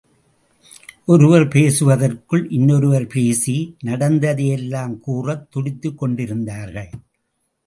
ஒருவர் பேசுவதற்குள் இன்னொருவர் பேசி, நடந்ததையெல்லாம் கூறத் துடித்துக் கொண்டிருந்தார்கள்.